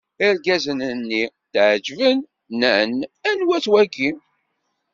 Irgazen-nni tɛeǧǧben, nnan: Anwa-t wagi?